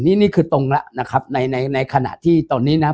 นี่คือตรงแล้วนะครับในขณะที่ตอนนี้นะครับ